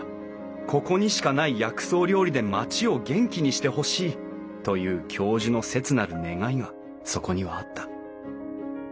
ここにしかない薬草料理で町を元気にしてほしいという教授の切なる願いがそこにはあった。